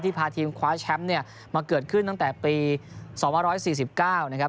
พาทีมคว้าแชมป์เนี่ยมาเกิดขึ้นตั้งแต่ปี๒๑๔๙นะครับ